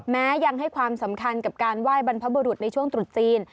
แม้ยังให้ความสำคัญกับการไหว้บรรพบุรุษในช่วงตรุษจีน